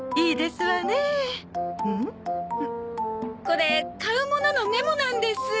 これ買う物のメモなんです。